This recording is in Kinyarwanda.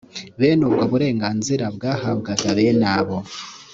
bene ubwo burenganzira bwahabwaga bene abo